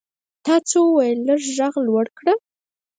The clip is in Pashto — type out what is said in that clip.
تا څه وویل ؟ لږ ږغ لوړ کړه !